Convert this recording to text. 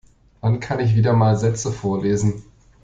Wann kann ich wieder mal Sätze vorlesen.